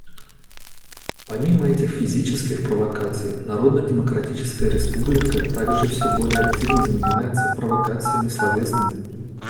Помимо этих физических провокаций, Народно-Демократическая Республика также все более активно занимается провокациями словесными.